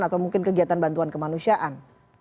atau mungkin kegiatan bantuan kemanusiaan